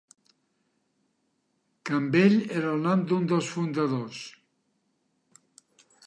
Campbell era el nom d'un dels fundadors.